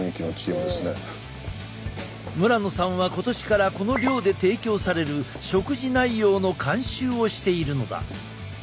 村野さんは今年からこの寮で提供される食事内容の監修をしているのだ。